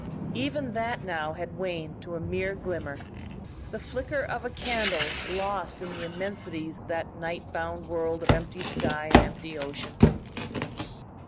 Even that now had waned to a mere glimmer, the flicker of a candle lost in the immensities of that night bound world of empty sky and empty ocean.